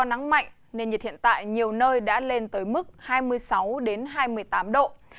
nên nhiệt hiện tại nhiều nơi đã lên tới mức hai mươi sáu hai mươi tám độ